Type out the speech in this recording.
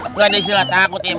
nggak ada istilah takut im